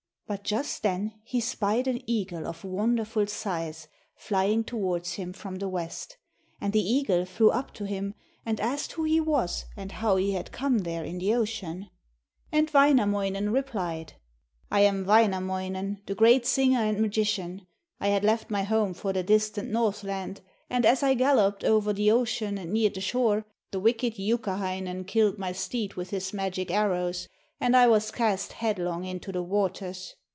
But just then he spied an eagle of wonderful size flying towards him from the west. And the eagle flew up to him and asked who he was and how he had come there in the ocean. And Wainamoinen replied: 'I am Wainamoinen, the great singer and magician. I had left my home for the distant Northland, and as I galloped over the ocean and neared the shore, the wicked Youkahainen killed my steed with his magic arrows, and I was cast headlong into the waters.